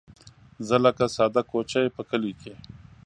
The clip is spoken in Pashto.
زه لکه ساده کوچۍ په کلي کې